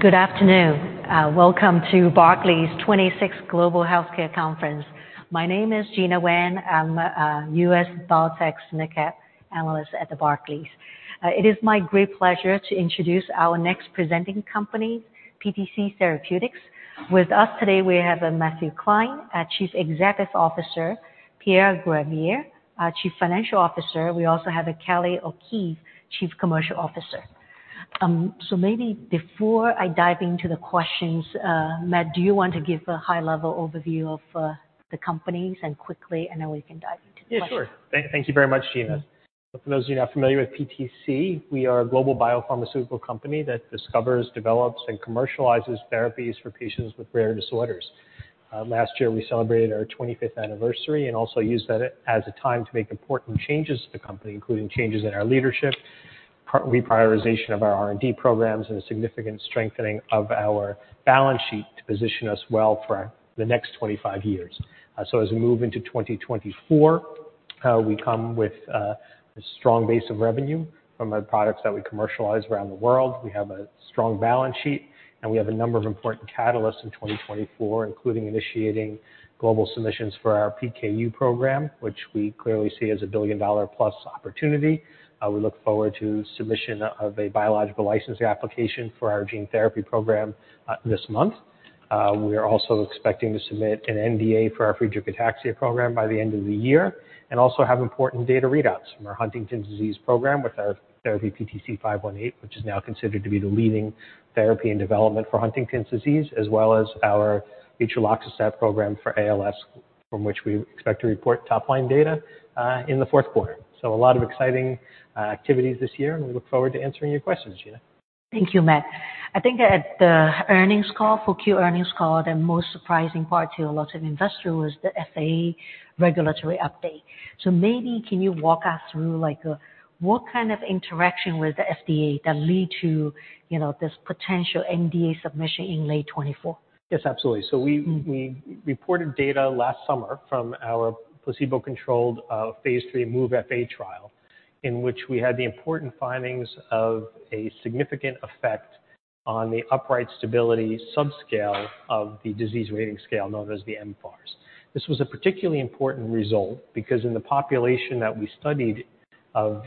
Good afternoon. Welcome to Barclays' 26th Global Healthcare Conference. My name is Gena Wang. I'm a U.S. biotech sector analyst at Barclays. It is my great pleasure to introduce our next presenting company, PTC Therapeutics. With us today we have Matthew Klein, Chief Executive Officer; Pierre Gravier, Chief Financial Officer. We also have Kylie O'Keefe, Chief Commercial Officer. So maybe before I dive into the questions, Matt, do you want to give a high-level overview of the company quickly, and then we can dive into the questions? Yeah, sure. Thank you very much, Gena. So for those of you not familiar with PTC, we are a global biopharmaceutical company that discovers, develops, and commercializes therapies for patients with rare disorders. Last year we celebrated our 25th anniversary and also used that as a time to make important changes to the company, including changes in our leadership, prioritization of our R&D programs, and a significant strengthening of our balance sheet to position us well for the next 25 years. So as we move into 2024, we come with a strong base of revenue from products that we commercialize around the world. We have a strong balance sheet, and we have a number of important catalysts in 2024, including initiating global submissions for our PKU program, which we clearly see as a billion-dollar-plus opportunity. We look forward to submission of a biological licensing application for our gene therapy program, this month. We are also expecting to submit an NDA for our Friedreich ataxia program by the end of the year and also have important data readouts from our Huntington's disease program with our therapy PTC518, which is now considered to be the leading therapy in development for Huntington's disease, as well as our utreloxastat program for ALS, from which we expect to report top-line data, in the fourth quarter. So a lot of exciting activities this year, and we look forward to answering your questions, Gena. Thank you, Matt. I think at the earnings call, 4Q earnings call, the most surprising part to a lot of investors was the FDA regulatory update. So maybe can you walk us through, like, what kind of interaction with the FDA that lead to, you know, this potential NDA submission in late 2024? Yes, absolutely. So we reported data last summer from our placebo-controlled, phase 3 MoveFA trial, in which we had the important findings of a significant effect on the upright stability subscale of the disease rating scale known as the MFARS. This was a particularly important result because in the population that we studied of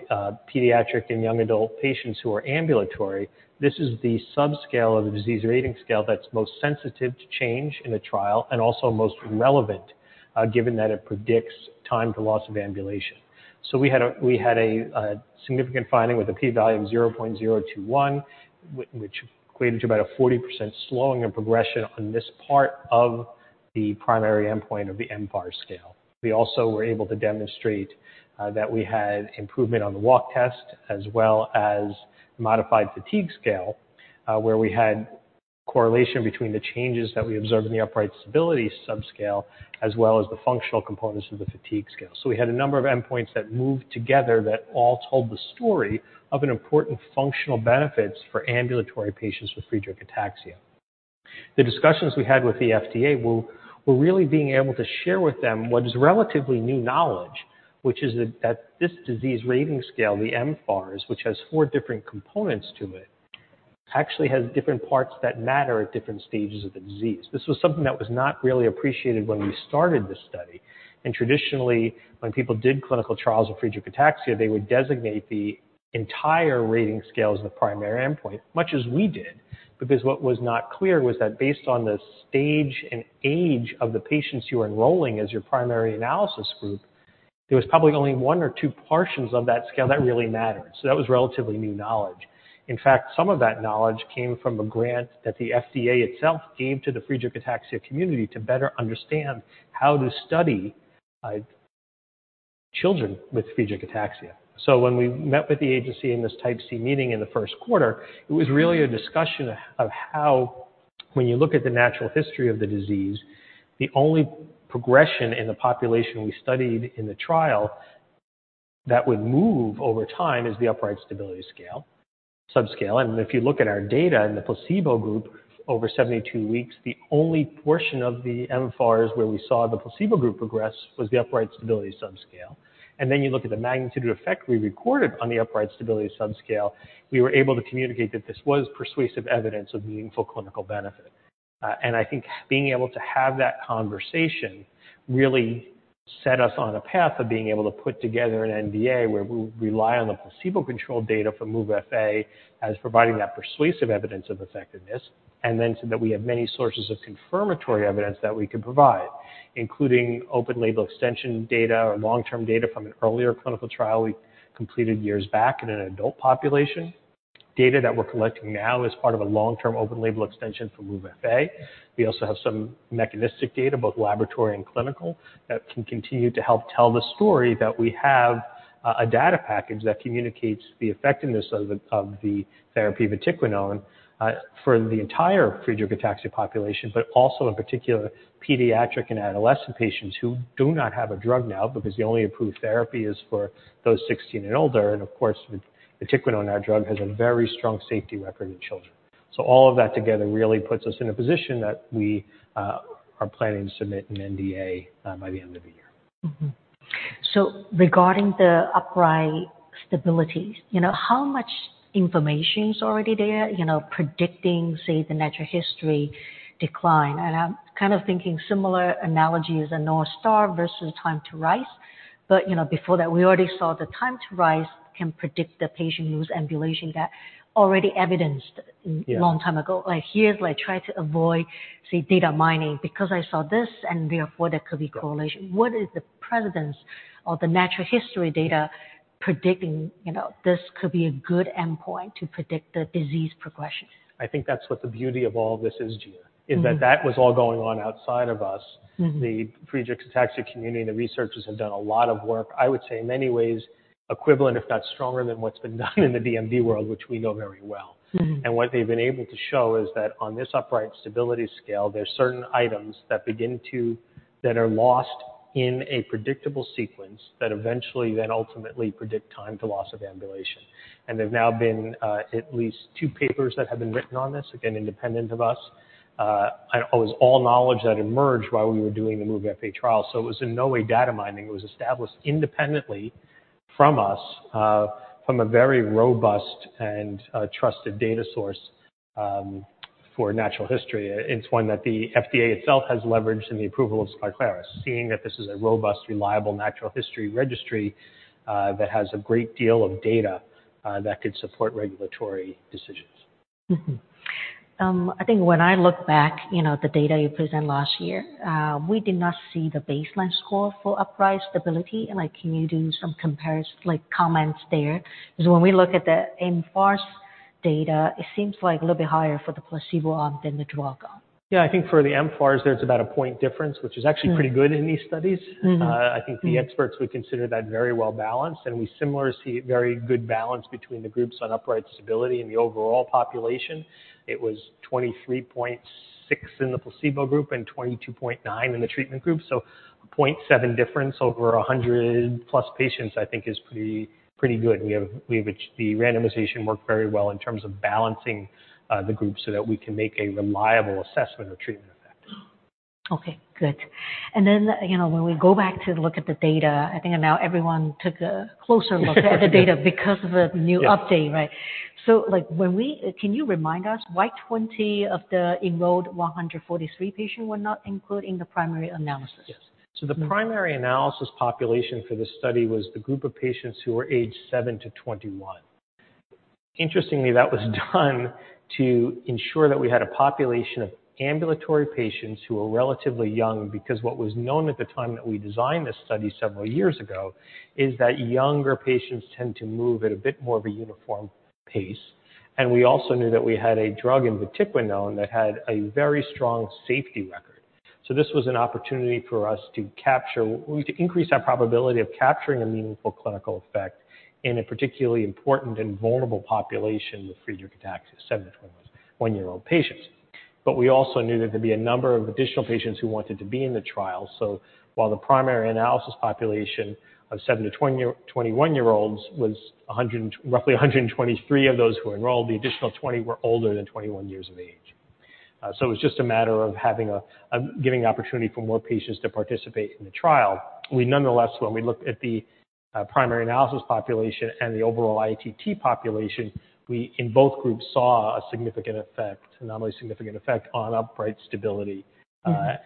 pediatric and young adult patients who are ambulatory, this is the subscale of the disease rating scale that's most sensitive to change in a trial and also most relevant, given that it predicts time to loss of ambulation. So we had a significant finding with a p-value of 0.021, which equated to about a 40% slowing of progression on this part of the primary endpoint of the MFARS scale. We also were able to demonstrate that we had improvement on the walk test as well as modified fatigue scale, where we had correlation between the changes that we observed in the upright stability subscale as well as the functional components of the fatigue scale. So we had a number of endpoints that moved together that all told the story of an important functional benefits for ambulatory patients with Friedreich ataxia. The discussions we had with the FDA were really being able to share with them what is relatively new knowledge, which is that this disease rating scale, the MFARS, which has four different components to it, actually has different parts that matter at different stages of the disease. This was something that was not really appreciated when we started this study. Traditionally, when people did clinical trials of Friedreich ataxia, they would designate the entire rating scale as the primary endpoint, much as we did, because what was not clear was that based on the stage and age of the patients you were enrolling as your primary analysis group, there was probably only one or two portions of that scale that really mattered. So that was relatively new knowledge. In fact, some of that knowledge came from a grant that the FDA itself gave to the Friedreich ataxia community to better understand how to study children with Friedreich ataxia. So when we met with the agency in this Type C meeting in the first quarter, it was really a discussion of how, when you look at the natural history of the disease, the only progression in the population we studied in the trial that would move over time is the upright stability scale subscale. And if you look at our data in the placebo group over 72 weeks, the only portion of the MFARS where we saw the placebo group progress was the upright stability subscale. And then you look at the magnitude of effect we recorded on the upright stability subscale, we were able to communicate that this was persuasive evidence of meaningful clinical benefit. I think being able to have that conversation really set us on a path of being able to put together an NDA where we rely on the placebo-controlled data from MoveFA as providing that persuasive evidence of effectiveness, and then so that we have many sources of confirmatory evidence that we could provide, including open-label extension data or long-term data from an earlier clinical trial we completed years back in an adult population. Data that we're collecting now is part of a long-term open-label extension for MoveFA. We also have some mechanistic data, both laboratory and clinical, that can continue to help tell the story that we have, a data package that communicates the effectiveness of the therapy vatiquinone, for the entire Friedreich ataxia population, but also in particular pediatric and adolescent patients who do not have a drug now because the only approved therapy is for those 16 and older. And of course, vatiquinone, our drug, has a very strong safety record in children. So all of that together really puts us in a position that we are planning to submit an NDA, by the end of the year. Mm-hmm. So regarding the upright stabilities, you know, how much information's already there, you know, predicting, say, the natural history decline? And I'm kind of thinking similar analogies are North Star versus time to rise. But, you know, before that, we already saw the time to rise can predict the patient who's ambulation got already evidenced a long time ago. Like, here's, like, try to avoid, say, data mining because I saw this, and therefore there could be correlation. What is the precedent of the natural history data predicting, you know, this could be a good endpoint to predict the disease progression? I think that's what the beauty of all this is, Gena, is that that was all going on outside of us. The Friedreich ataxia community and the researchers have done a lot of work, I would say, in many ways equivalent, if not stronger, than what's been done in the DMD world, which we know very well. And what they've been able to show is that on this upright stability scale, there's certain items that begin to that are lost in a predictable sequence that eventually then ultimately predict time to loss of ambulation. And there've now been, at least two papers that have been written on this, again, independent of us. It was all knowledge that emerged while we were doing the MoveFA trial. So it was in no way data mining. It was established independently from us, from a very robust and trusted data source, for natural history. It's one that the FDA itself has leveraged in the approval of Skyclarys, seeing that this is a robust, reliable natural history registry, that has a great deal of data, that could support regulatory decisions. Mm-hmm. I think when I look back, you know, at the data you presented last year, we did not see the baseline score for upright stability. And, like, can you do some comparison, like, comments there? Because when we look at the MFARS data, it seems like a little bit higher for the placebo arm than the drug arm. Yeah, I think for the MFARS there, it's about a point difference, which is actually pretty good in these studies. I think the experts would consider that very well balanced. And we similarly see very good balance between the groups on upright stability in the overall population. It was 23.6 in the placebo group and 22.9 in the treatment group. So a 0.7 difference over 100+ patients, I think, is pretty, pretty good. The randomization worked very well in terms of balancing the groups so that we can make a reliable assessment of treatment effect. Okay, good. And then, you know, when we go back to look at the data, I think now everyone took a closer look at the data because of the new update, right? So, like, can you remind us why 20 of the enrolled 143 patients were not included in the primary analysis? Yes. So the primary analysis population for this study was the group of patients who were aged 7-21. Interestingly, that was done to ensure that we had a population of ambulatory patients who were relatively young because what was known at the time that we designed this study several years ago is that younger patients tend to move at a bit more of a uniform pace. And we also knew that we had a drug in vatiquinone that had a very strong safety record. So this was an opportunity for us to capture to increase our probability of capturing a meaningful clinical effect in a particularly important and vulnerable population with Friedreich ataxia, 7-21-year-old patients. But we also knew that there'd be a number of additional patients who wanted to be in the trial. So while the primary analysis population of 7-21-year-olds was roughly 123 of those who were enrolled, the additional 20 were older than 21 years of age. So it was just a matter of having an opportunity for more patients to participate in the trial. We nonetheless, when we looked at the primary analysis population and the overall ITT population, we in both groups saw a significant effect, a nominally significant effect, on upright stability.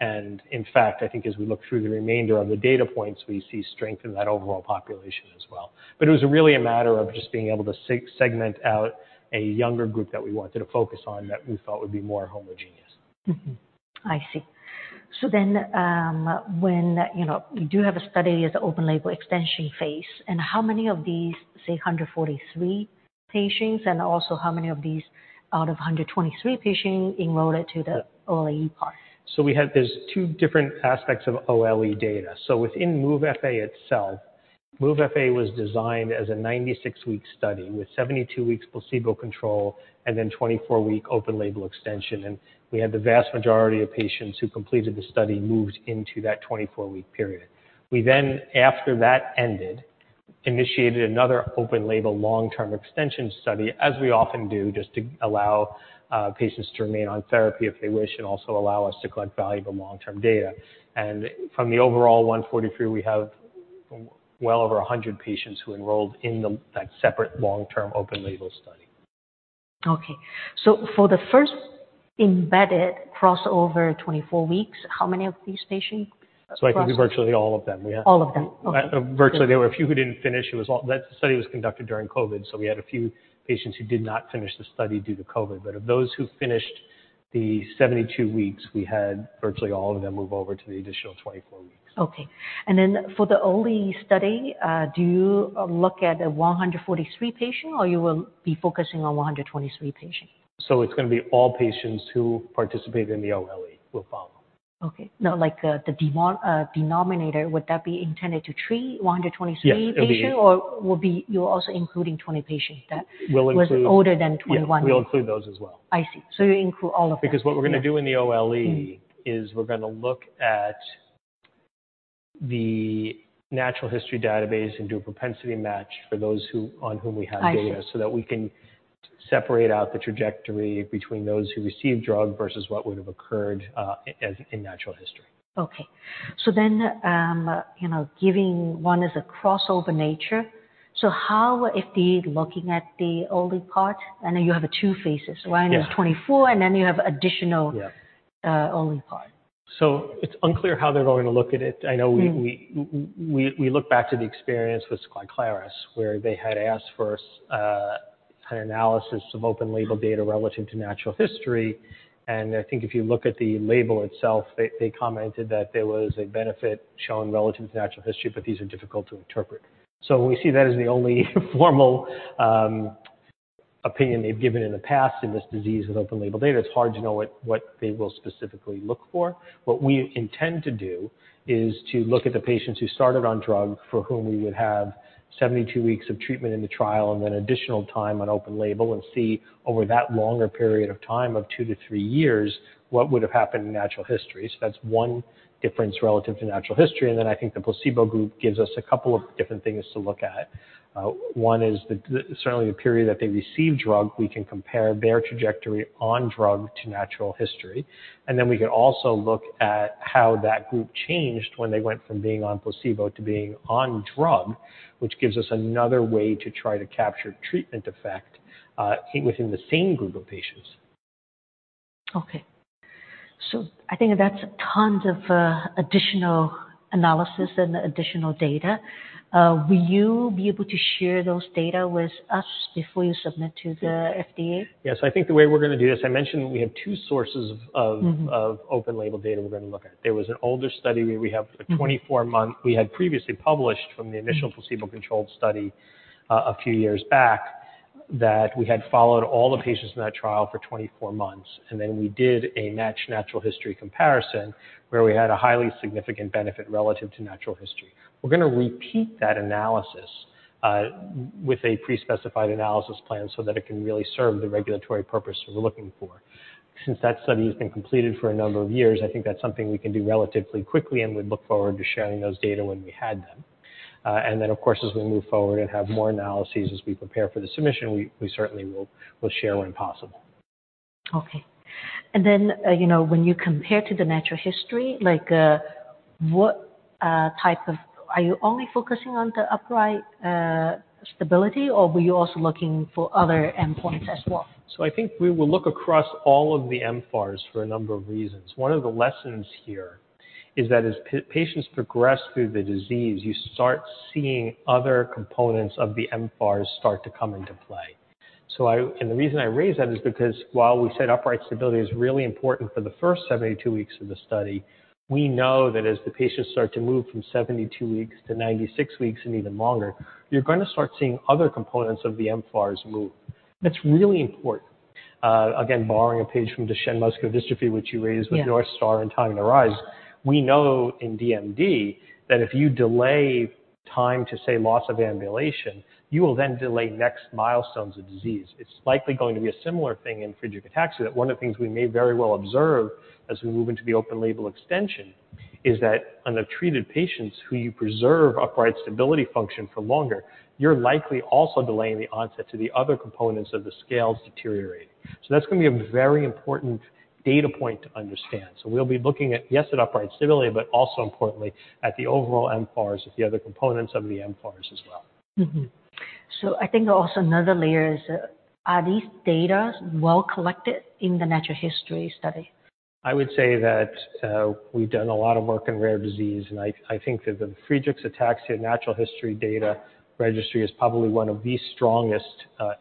And in fact, I think as we look through the remainder of the data points, we see strength in that overall population as well. But it was really a matter of just being able to segment out a younger group that we wanted to focus on that we thought would be more homogeneous. Mm-hmm. I see. So then, when, you know, you do have a study as an open-label extension phase, and how many of these, say, 143 patients, and also how many of these out of 123 patients enrolled to the OLE part? So, there are two different aspects of OLE data. Within MoveFA itself, MoveFA was designed as a 96-week study with 72-week placebo control and then 24-week open-label extension. We had the vast majority of patients who completed the study moved into that 24-week period. We then, after that ended, initiated another open-label long-term extension study, as we often do, just to allow patients to remain on therapy if they wish and also allow us to collect valuable long-term data. From the overall 143, we have well over 100 patients who enrolled in that separate long-term open-label study. Okay. So for the first embedded crossover 24 weeks, how many of these patients? I think virtually all of them. We had. All of them. Okay. Virtually, there were a few who didn't finish. It was all that study was conducted during COVID, so we had a few patients who did not finish the study due to COVID. But of those who finished the 72 weeks, we had virtually all of them move over to the additional 24 weeks. Okay. And then for the OLE study, do you look at a 143 patient, or you will be focusing on 123 patients? It's gonna be all patients who participate in the OLE will follow. Okay. No, like, the demo denominator, would that be intended to treat 123 patients, or will you be also including 20 patients that was older than 21? Yes, we'll include those as well. I see. So you include all of them. Because what we're gonna do in the OLE is we're gonna look at the natural history database and do a propensity match for those who on whom we have data so that we can separate out the trajectory between those who received drug versus what would have occurred, as in natural history. Okay. So then, you know, given its crossover nature, so how are we looking at the OLE part and then you have two phases, right? There's 24, and then you have additional OLE part. So it's unclear how they're going to look at it. I know we look back to the experience with Skyclarys where they had asked for an analysis of open-label data relative to natural history. And I think if you look at the label itself, they commented that there was a benefit shown relative to natural history, but these are difficult to interpret. So we see that as the only formal opinion they've given in the past in this disease with open-label data. It's hard to know what they will specifically look for. What we intend to do is to look at the patients who started on drug for whom we would have 72 weeks of treatment in the trial and then additional time on open-label and see over that longer period of time of 2-3 years what would have happened in natural history. So that's one difference relative to natural history. And then I think the placebo group gives us a couple of different things to look at. One is, certainly, the period that they received drug; we can compare their trajectory on drug to natural history. And then we can also look at how that group changed when they went from being on placebo to being on drug, which gives us another way to try to capture treatment effect, within the same group of patients. Okay. So I think that's tons of additional analysis and additional data. Will you be able to share those data with us before you submit to the FDA? Yes. I think the way we're gonna do this. I mentioned we have two sources of open-label data we're gonna look at. There was an older study where we have a 24-month we had previously published from the initial placebo-controlled study, a few years back that we had followed all the patients in that trial for 24 months. And then we did a matched natural history comparison where we had a highly significant benefit relative to natural history. We're gonna repeat that analysis, with a pre-specified analysis plan so that it can really serve the regulatory purpose we're looking for. Since that study has been completed for a number of years, I think that's something we can do relatively quickly, and we'd look forward to sharing those data when we had them. And then of course, as we move forward and have more analyses as we prepare for the submission, we certainly will share when possible. Okay. And then, you know, when you compare to the natural history, like, what type of are you only focusing on the upright stability, or were you also looking for other endpoints as well? So I think we will look across all of the MFARS for a number of reasons. One of the lessons here is that as patients progress through the disease, you start seeing other components of the MFARS start to come into play. So I and the reason I raise that is because while we said upright stability is really important for the first 72 weeks of the study, we know that as the patients start to move from 72 weeks to 96 weeks and even longer, you're gonna start seeing other components of the MFARS move. That's really important. Again, borrowing a page from Duchenne Muscular Dystrophy, which you raised with North Star and Time to Rise, we know in DMD that if you delay time to, say, loss of ambulation, you will then delay next milestones of disease. It's likely going to be a similar thing in Friedreich ataxia, that one of the things we may very well observe as we move into the open-label extension is that on the treated patients who you preserve upright stability function for longer, you're likely also delaying the onset to the other components of the scales deteriorating. So that's gonna be a very important data point to understand. So we'll be looking at, yes, at upright stability, but also importantly at the overall MFARS, at the other components of the MFARS as well. Mm-hmm. I think also another layer is, are these data well collected in the natural history study? I would say that, we've done a lot of work in rare disease. I, I think that the Friedreich ataxia natural history data registry is probably one of the strongest,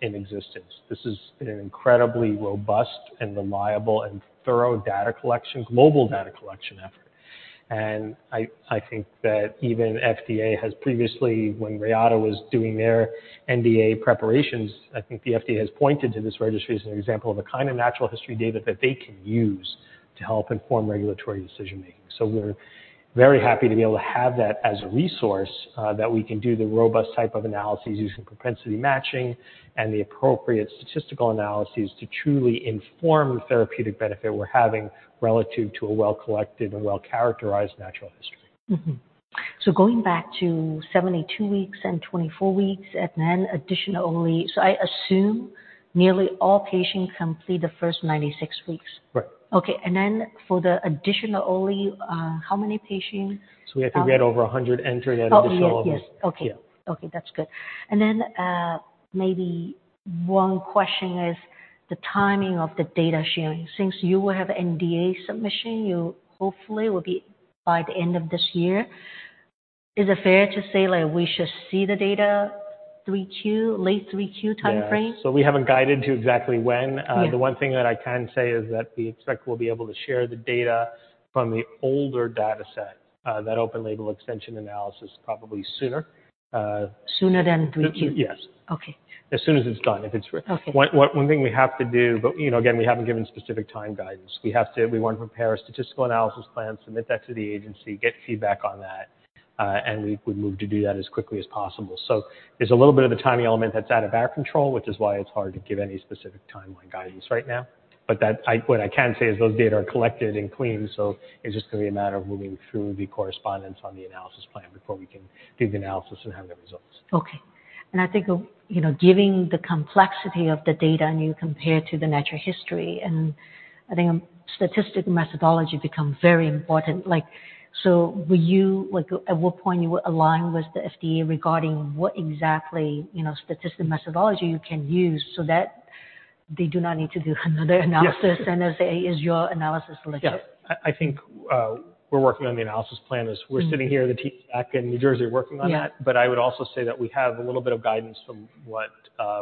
in existence. This has been an incredibly robust and reliable and thorough data collection, global data collection effort. I, I think that even FDA has previously, when Reata was doing their NDA preparations, I think the FDA has pointed to this registry as an example of a kind of natural history data that they can use to help inform regulatory decision-making. We're very happy to be able to have that as a resource, that we can do the robust type of analyses using propensity matching and the appropriate statistical analyses to truly inform the therapeutic benefit we're having relative to a well-collected and well-characterized natural history. Mm-hmm. So going back to 72 weeks and 24 weeks, and then additional OLE, so I assume nearly all patients complete the first 96 weeks? Right. Okay. And then for the additional OLE, how many patients? I think we had over 100 entered at additional OLE. Oh, yes. Yes. Okay. Yeah. Okay. That's good. And then, maybe one question is the timing of the data sharing. Since you will have NDA submission, you hopefully will be by the end of this year. Is it fair to say, like, we should see the data 3Q, late 3Q timeframe? Yeah. So we haven't guided to exactly when. The one thing that I can say is that we expect we'll be able to share the data from the older dataset, that open-label extension analysis, probably sooner. Sooner than 3Q? Yes. Okay. As soon as it's done, if it's re. Okay. One thing we have to do, but, you know, again, we haven't given specific time guidance. We have to, we wanna prepare a statistical analysis plan, submit that to the agency, get feedback on that, and we move to do that as quickly as possible. So there's a little bit of the timing element that's out of our control, which is why it's hard to give any specific timeline guidance right now. But what I can say is those data are collected and clean, so it's just gonna be a matter of moving through the correspondence on the analysis plan before we can do the analysis and have the results. Okay. And I think, you know, given the complexity of the data and you compare it to the natural history, and I think statistical methodology becomes very important. Like, so will you like, at what point you would align with the FDA regarding what exactly, you know, statistical methodology you can use so that they do not need to do another analysis and then say, "Hey, is your analysis legit? Yeah. I, I think, we're working on the analysis plan as we're sitting here, the team back in New Jersey working on that. But I would also say that we have a little bit of guidance from what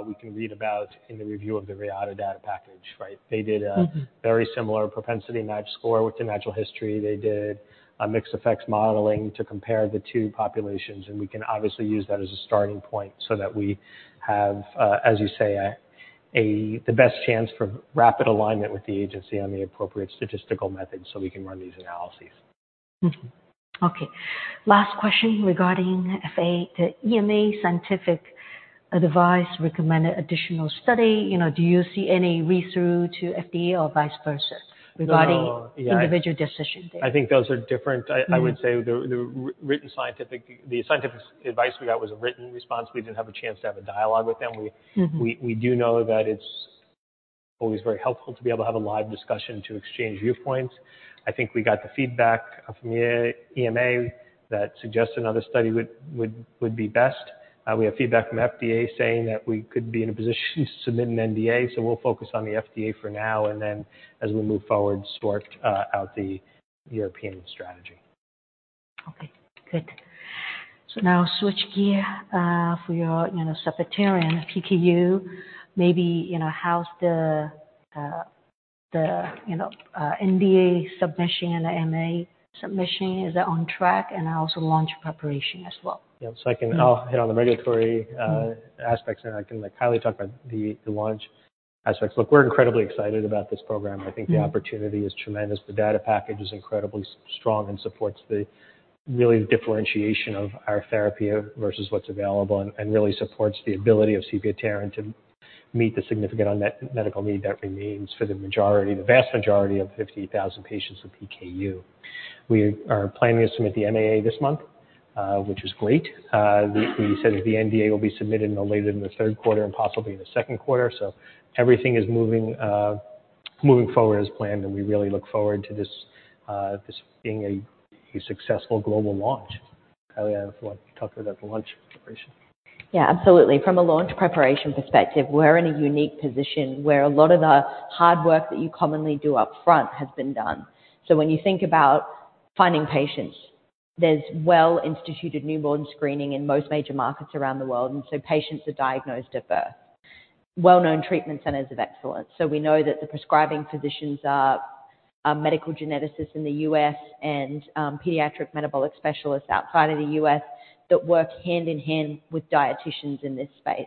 we can read about in the review of the Reata data package, right? They did a very similar propensity score matching with the natural history. They did a mixed-effects modeling to compare the two populations. And we can obviously use that as a starting point so that we have, as you say, a, a the best chance for rapid alignment with the agency on the appropriate statistical methods so we can run these analyses. Mm-hmm. Okay. Last question regarding FA, the EMA scientific advice recommended additional study. You know, do you see any read-through to FDA or vice versa regarding regulatory decision there? No, yeah. I think those are different. I would say the written scientific advice we got was a written response. We didn't have a chance to have a dialogue with them. We do know that it's always very helpful to be able to have a live discussion to exchange viewpoints. I think we got the feedback from EMA that suggests another study would be best. We have feedback from FDA saying that we could be in a position to submit an NDA, so we'll focus on the FDA for now and then, as we move forward, sort out the European strategy. Okay. Good. So now switch gears for your, you know, sepiapterin PKU. Maybe, you know, how's the NDA submission, the MAA submission? Is that on track? And also launch preparation as well. Yeah. So I can, I'll hit on the regulatory aspects, and I can, like, highlight the launch aspects. Look, we're incredibly excited about this program. I think the opportunity is tremendous. The data package is incredibly strong and supports the real differentiation of our therapy versus what's available and really supports the ability of sepiapterin to meet the significant unmet medical need that remains for the majority, the vast majority of 50,000 patients with PKU. We are planning to submit the MAA this month, which is great. The FDA says the NDA will be submitted no later than the third quarter and possibly in the second quarter. So everything is moving forward as planned, and we really look forward to this being a successful global launch. Kylie, I wanna talk to you about the launch preparation. Yeah, absolutely. From a launch preparation perspective, we're in a unique position where a lot of the hard work that you commonly do upfront has been done. So when you think about finding patients, there's well-instituted newborn screening in most major markets around the world, and so patients are diagnosed at birth. Well-known treatment centers of excellence. So we know that the prescribing physicians are medical geneticists in the U.S. and pediatric metabolic specialists outside of the U.S. that work hand in hand with dieticians in this space.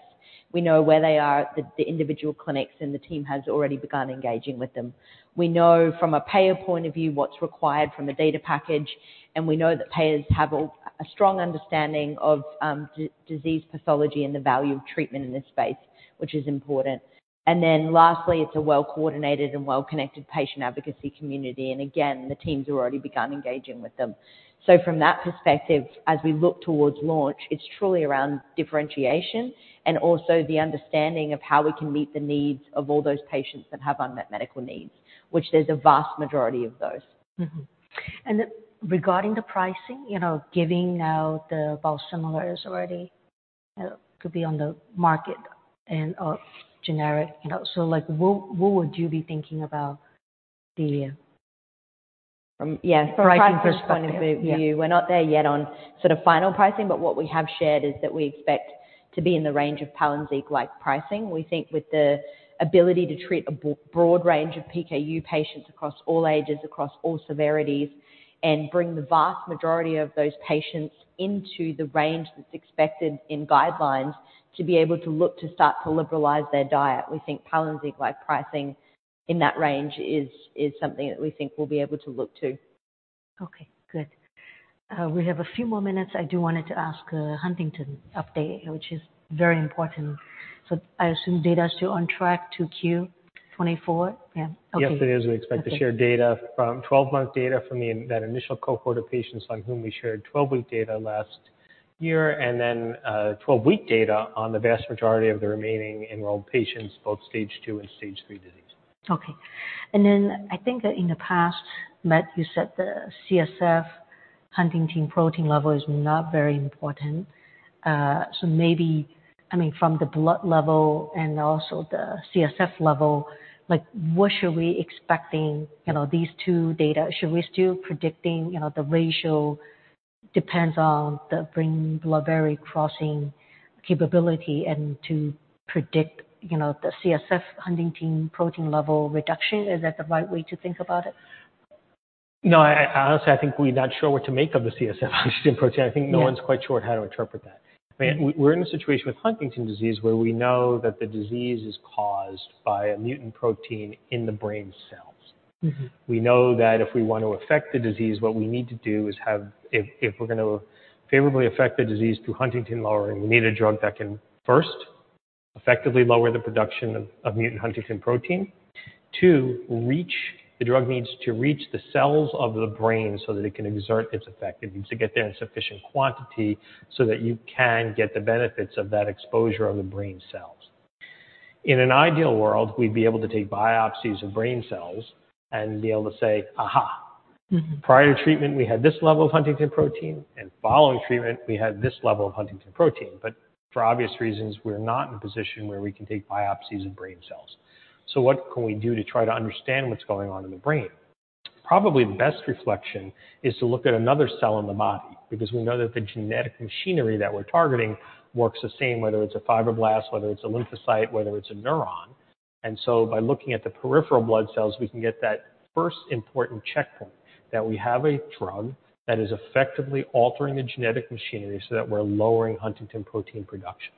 We know where they are, the individual clinics, and the team has already begun engaging with them. We know from a payer point of view what's required from the data package, and we know that payers have a strong understanding of disease pathology and the value of treatment in this space, which is important. Then lastly, it's a well-coordinated and well-connected patient advocacy community. Again, the teams have already begun engaging with them. From that perspective, as we look toward launch, it's truly around differentiation and also the understanding of how we can meet the needs of all those patients that have unmet medical needs, which there's a vast majority of those. Mm-hmm. And regarding the pricing, you know, given now the Valsemolares already could be on the market and generic, you know, so, like, what, what would you be thinking about the, From our pricing perspective. Final pricing point of view? We're not there yet on sort of final pricing, but what we have shared is that we expect to be in the range of Palynziq-like pricing. We think with the ability to treat a broad range of PKU patients across all ages, across all severities, and bring the vast majority of those patients into the range that's expected in guidelines to be able to look to start to liberalize their diet, we think Palynziq-like pricing in that range is something that we think we'll be able to look to. Okay. Good. We have a few more minutes. I do wanted to ask, Huntington update, which is very important. So I assume data's still on track, 2Q24? Yeah. Okay. Yesterday, we expect to share data from 12-month data from that initial cohort of patients on whom we shared 12-week data last year, and then 12-week data on the vast majority of the remaining enrolled patients, both stage II and stage III disease. Okay. And then I think, in the past, Matt, you said the CSF Huntington protein level is not very important. So maybe I mean, from the blood level and also the CSF level, like, what should we expecting, you know, these two data? Should we still predicting, you know, the ratio depends on the blood-brain barrier crossing capability and to predict, you know, the CSF Huntington protein level reduction? Is that the right way to think about it? No, I honestly think we're not sure what to make of the CSF huntingtin protein. I think no one's quite sure how to interpret that. I mean, we're in a situation with Huntington's disease where we know that the disease is caused by a mutant protein in the brain cells. Mm-hmm. We know that if we wanna affect the disease, what we need to do is have it if we're gonna favorably affect the disease through huntingtin lowering, we need a drug that can first effectively lower the production of mutant huntingtin protein. Two, the drug needs to reach the cells of the brain so that it can exert its effect. It needs to get there in sufficient quantity so that you can get the benefits of that exposure on the brain cells. In an ideal world, we'd be able to take biopsies of brain cells and be able to say, "Aha. Prior to treatment, we had this level of huntingtin protein, and following treatment, we had this level of huntingtin protein." But for obvious reasons, we're not in a position where we can take biopsies of brain cells. So what can we do to try to understand what's going on in the brain? Probably the best reflection is to look at another cell in the body because we know that the genetic machinery that we're targeting works the same, whether it's a fibroblast, whether it's a lymphocyte, whether it's a neuron. And so by looking at the peripheral blood cells, we can get that first important checkpoint, that we have a drug that is effectively altering the genetic machinery so that we're lowering Huntington protein production.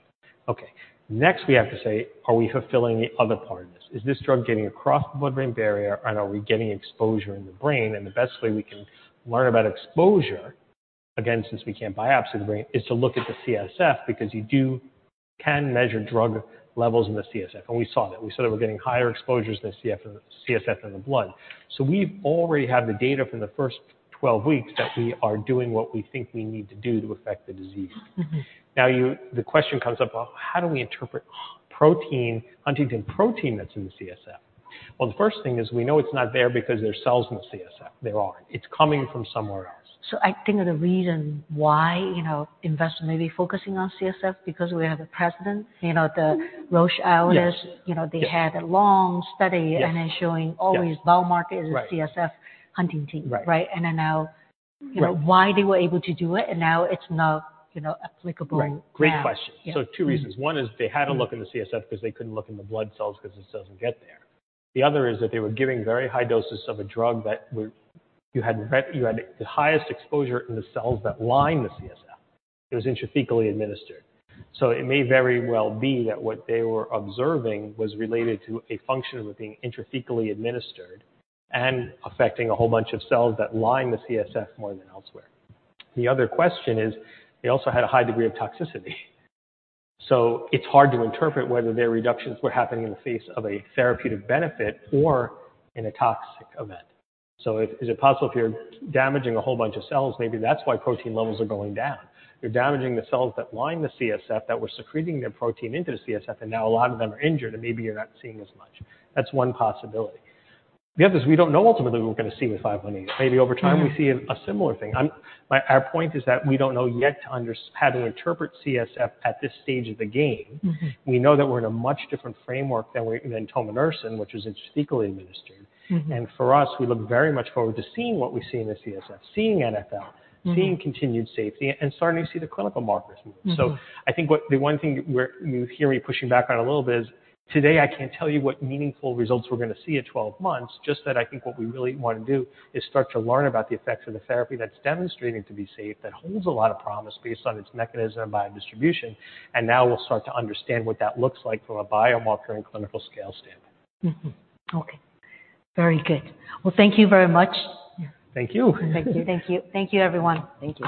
Okay. Next, we have to say, are we fulfilling the other part of this? Is this drug getting across the blood-brain barrier, and are we getting exposure in the brain? And the best way we can learn about exposure, again, since we can't biopsy the brain, is to look at the CSF because you can measure drug levels in the CSF. We saw that. We saw that we're getting higher exposures in the CSF in the CSF in the blood. We already have the data from the first 12 weeks that we are doing what we think we need to do to affect the disease. Mm-hmm. Now, the question comes up, well, how do we interpret huntingtin protein that's in the CSF? Well, the first thing is we know it's not there because there's cells in the CSF. There aren't. It's coming from somewhere else. So I think of the reason why, you know, investors maybe focusing on CSF because we have a precedent. You know, the Roche trial is, you know, they had a long study. Yeah. And then showing always below market is a CSF Huntington's. Right. Right? And then now, you know, why they were able to do it, and now it's not, you know, applicable now? Right. Great question. So two reasons. One is they had to look in the CSF because they couldn't look in the blood cells because it doesn't get there. The other is that they were giving very high doses of a drug where you had the highest exposure in the cells that line the CSF. It was intrathecally administered. So it may very well be that what they were observing was related to a function of it being intrathecally administered and affecting a whole bunch of cells that line the CSF more than elsewhere. The other question is they also had a high degree of toxicity. So it's hard to interpret whether their reductions were happening in the face of a therapeutic benefit or in a toxic event. So, is it possible if you're damaging a whole bunch of cells, maybe that's why protein levels are going down. You're damaging the cells that line the CSF that were secreting their protein into the CSF, and now a lot of them are injured, and maybe you're not seeing as much. That's one possibility. The other is we don't know ultimately what we're gonna see with 518. Maybe over time. Mm-hmm. We see a similar thing. Our point is that we don't know yet how to interpret CSF at this stage of the game. Mm-hmm. We know that we're in a much different framework than tominersen, which was intrathecally administered. Mm-hmm. For us, we look very much forward to seeing what we see in the CSF, seeing NFL, seeing continued safety, and starting to see the clinical markers move. Mm-hmm. So I think the one thing you're hearing me pushing back on a little bit is today, I can't tell you what meaningful results we're gonna see at 12 months, just that I think what we really wanna do is start to learn about the effects of the therapy that's demonstrating to be safe, that holds a lot of promise based on its mechanism of biodistribution. And now we'll start to understand what that looks like from a biomarker and clinical scale standpoint. Mm-hmm. Okay. Very good. Well, thank you very much. Thank you. Thank you. Thank you. Thank you, everyone. Thank you.